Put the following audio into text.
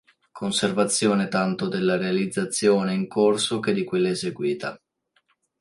Conservazione tanto della realizzazione in corso che di quella eseguita.